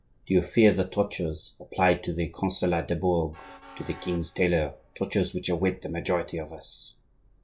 Do you fear the tortures applied to the Councillor du Bourg, to the king's tailor,—tortures which await the majority of us?"